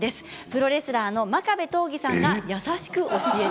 プロレスラーの真壁刀義さんがええ？